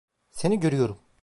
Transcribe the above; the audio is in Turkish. Seni görüyorum.